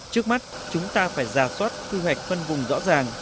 trước mắt chúng ta phải ra soát quy hoạch phân vùng rõ ràng